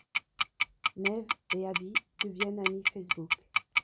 Nev et Abby deviennent ami Facebook.